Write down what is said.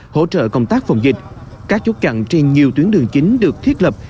hỗ trợ công tác phòng dịch các chốt chặn trên nhiều tuyến đường chính được thiết lập